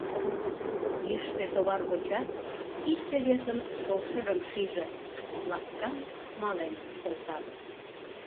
Йӱштӧ товар гочат икте-весын шокшыжым шижыт, ласкан мален колтат.